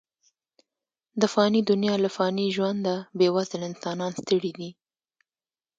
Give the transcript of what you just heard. د فاني دنیا له فاني ژونده، بې وزله انسانان ستړي دي.